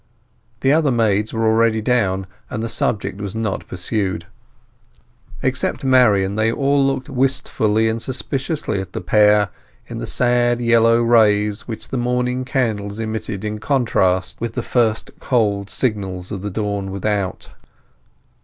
The other maids were already down, and the subject was not pursued. Except Marian, they all looked wistfully and suspiciously at the pair, in the sad yellow rays which the morning candles emitted in contrast with the first cold signals of the dawn without.